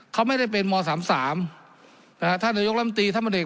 เขาไม่ได้เป็นมสามสามนะฮะท่านนโยกลำตีท่านบรรเดก